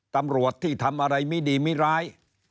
ตำรวจที่ทำอะไรไม่ดีไม่ร้าย